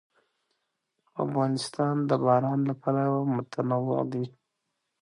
افغانستان د باران له پلوه متنوع دی.